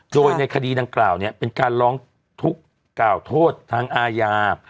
โดยในคดีดังกล่าวเนี่ยเป็นการร้องทุกข์กล่าวโทษทางอาญา